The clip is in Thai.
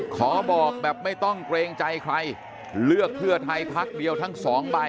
ขอบอกแบบไม่ต้องเกรงใจใครเลือกเพื่อไทยทั้งตั้ง๒ไป